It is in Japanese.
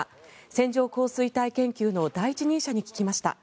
線状降水帯研究の第一人者に聞きました。